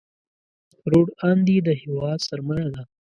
روڼ اندي د هېواد سرمایه ده.